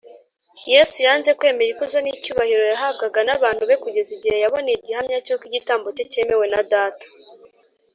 yesu yanze kwemera ikuzo n’icyubahiro yahabgaga n’abantu be kugeza igihe yaboneye igihamya cy’uko igitambo cye cyemewe na data